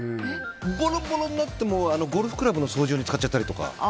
ボロボロになってもゴルフクラブの掃除用に使っちゃったりとか。